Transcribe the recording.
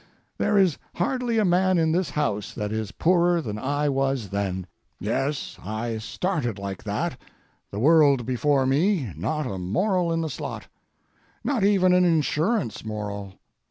There is hardly a man in this house that is poorer than I was then. Yes, I started like that—the world before me, not a moral in the slot. Not even an insurance moral.